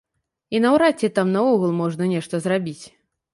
І наўрад ці там наогул можна нешта зрабіць.